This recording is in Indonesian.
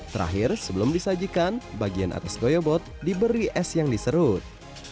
terakhir sebelum disajikan bagian atas goyobot diberi es yang diserut